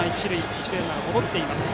一塁ランナーは戻っています。